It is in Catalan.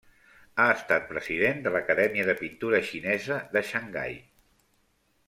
Ha estat president de l'Acadèmia de Pintura Xinesa de Xangai.